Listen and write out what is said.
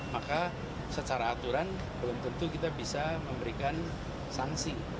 maka secara aturan belum tentu kita bisa memberikan sanksi